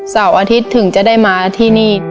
เสาร์อาทิตย์ถึงจะได้มาที่นี่